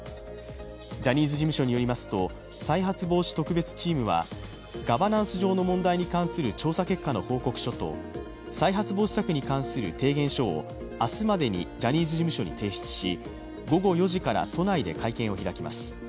ジャニーズ事務所によりますと、再発防止特別チームはガバナンス上の問題に関する調査結果の報告書と再発防止策に関する提言書を明日までにジャニーズ事務所に提出し午後４時から都内で会見を開きます。